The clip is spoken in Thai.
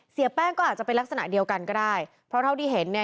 เสียแป้งก็อาจจะเป็นลักษณะเดียวกันก็ได้เพราะเท่าที่เห็นเนี่ย